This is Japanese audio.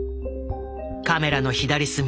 カメラの左隅。